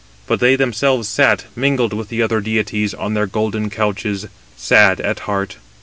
But they themselves sat, mingled with the other deities, on their golden couches, sad at heart.